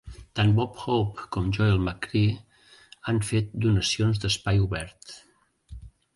Tant Bob Hope com Joel McCrea han fet donacions d'espai obert.